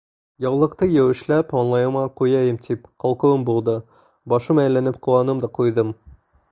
Яулыҡты еүешләп, маңлайыма ҡуяйым тип, ҡалҡыуым булды, башым әйләнеп ҡоланым да ҡуйҙым.